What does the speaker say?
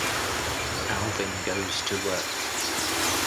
Alvyn goes to work.